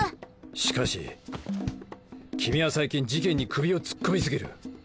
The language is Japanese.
しかし君は最近事件に首を突っ込み過ぎる。